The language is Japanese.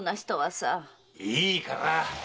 いいから！